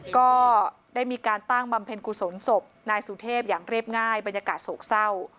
ก็ได้มีการตั้งบำเพ็ญกุศลศพนายสุเทพอย่างเรียบง่ายบรรยากาศโศกเศร้า